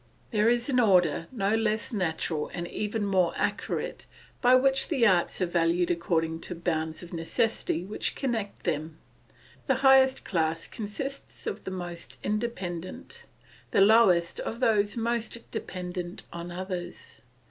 There is an order no less natural and even more accurate, by which the arts are valued according to bonds of necessity which connect them; the highest class consists of the most independent, the lowest of those most dependent on others.